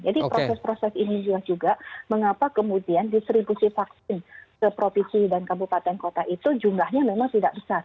jadi proses proses ini juga mengapa kemudian disergusi vaksin ke provinsi dan kabupaten kota itu jumlahnya memang tidak besar